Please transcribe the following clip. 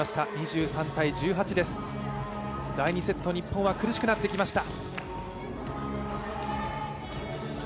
第２セット、日本は苦しくなってきました。